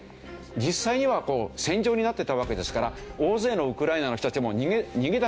実際には戦場になってたわけですから大勢のウクライナの人たちは逃げ出していないわけですよね。